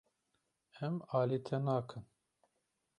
Em alî te nakin.